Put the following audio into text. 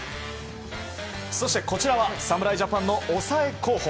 そして侍ジャパンの抑え候補。